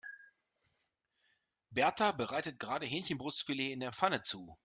Berta bereitet gerade Hähnchenbrustfilet in der Pfanne zu.